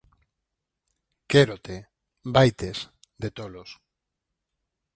Quérote.. Vaites... De tolos.